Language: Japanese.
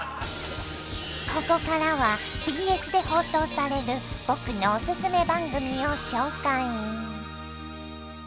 ここからはＢＳで放送される僕のおススメ番組を紹介。